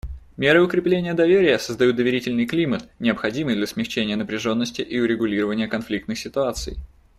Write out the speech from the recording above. Меры укрепления доверия создают доверительный климат, необходимый для смягчения напряженности и урегулирования конфликтных ситуаций.